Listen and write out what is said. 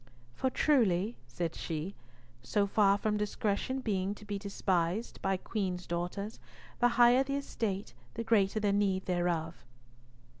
"For truly," said she, "so far from discretion being to be despised by Queen's daughters, the higher the estate the greater the need thereof."